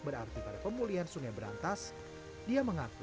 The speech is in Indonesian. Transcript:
berarti pada pemulihan sungai berantas dia mengaku